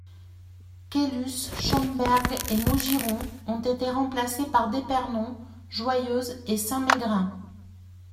Quelus, Schomberg et Maugiron ont été remplacés par d’Épernon, Joyeuse et Saint-Mégrin.